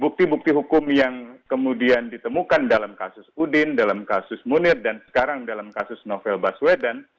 bukti bukti hukum yang kemudian ditemukan dalam kasus udin dalam kasus munir dan sekarang dalam kasus novel baswedan